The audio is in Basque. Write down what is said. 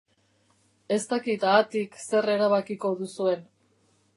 Ez dakit haatik zer erabakiko duzuen.